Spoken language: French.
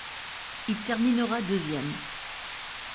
Il terminera deuxième.